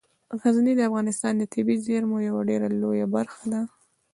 غزني د افغانستان د طبیعي زیرمو یوه ډیره لویه برخه ده.